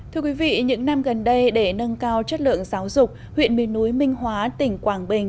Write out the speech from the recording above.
thưa quý vị những năm gần đây để nâng cao chất lượng giáo dục huyện miền núi minh hóa tỉnh quảng bình